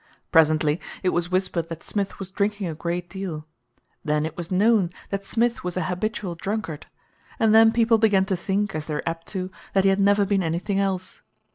Presently it was whispered that Smith was drinking a great deal; then it was known that Smith was a habitual drunkard, and then people began to think, as they are apt to, that he had never been anything else.